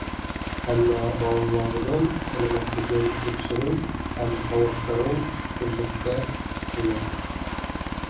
Әммә балаларҙың сәләмәтлеген тикшереү һәм һауыҡтырыу өҫтөнлөккә эйә.